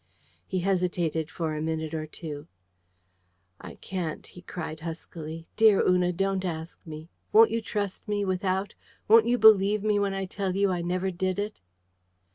He hesitated for a minute or two. "I can't!" he cried huskily. "Dear Una, don't ask me! Won't you trust me, without? Won't you believe me when I tell you, I never did it?"